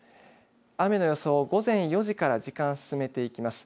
雨の予想、午前４時から時間進めていきます。